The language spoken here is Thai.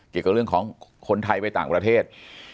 เกี่ยวกับเรื่องของคนไทยไปต่างประเทศ